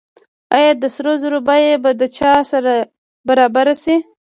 آیا د سرو زرو بیه به د چای سره برابره شي؟